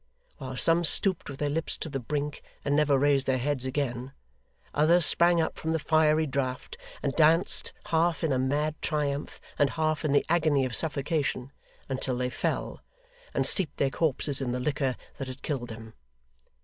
While some stooped with their lips to the brink and never raised their heads again, others sprang up from their fiery draught, and danced, half in a mad triumph, and half in the agony of suffocation, until they fell, and steeped their corpses in the liquor that had killed them.